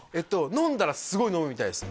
飲んだらすごい飲むみたいです